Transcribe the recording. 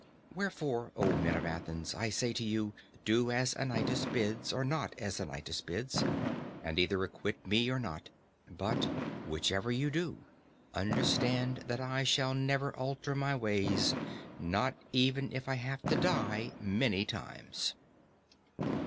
Wherefore, O men of Athens, I say to you, do as Anytus bids or not as Anytus bids, and either acquit me or not; but whichever you do, understand that I shall never alter my ways, not even if I have to die many times.